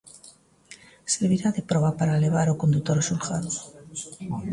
Servirá de proba para levar o condutor ao xulgado.